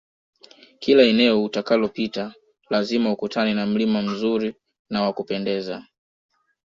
Kila eneo utakalopita lazima ukutane na mlima mzuri na wa kupendeza